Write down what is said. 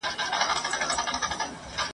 نه په میو کي مزه سته نه ساقي نه هغه جام دی ..